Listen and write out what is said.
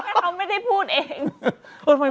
ก็ไม่ได้พูดเอง